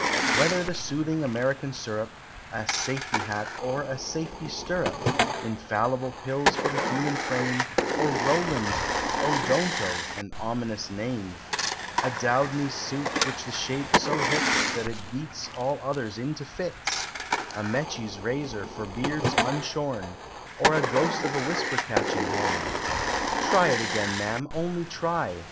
Whether the Soothing American Syrup, A Safety Hat, or a Safety Stirrup, Infallible Pills for the human frame, Or Rowland's O don't o (an ominous name), A Doudney's suit which the shape so hits That it beats all others into fits; A Mechi's razor for beards unshorn, Or a Ghost of a Whisper Catching Horn! "Try it again, Ma'am, only try!"